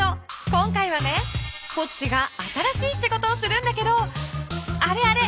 今回はねホッジが新しい仕事をするんだけどあれあれ！